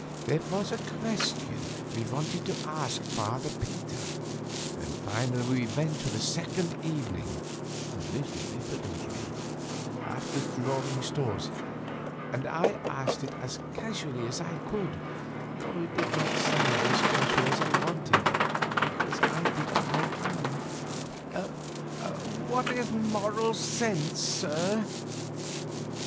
There was a question which we wanted to ask Father Peter, and finally we went there the second evening, a little diffidently, after drawing straws, and I asked it as casually as I could, though it did not sound as casual as I wanted, because I didn't know how: "What is the Moral Sense, sir?"